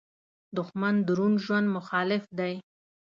دښمن د روڼ ژوند مخالف دی